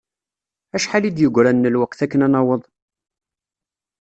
Acḥal i d-yegran n lweqt akken ad naweḍ?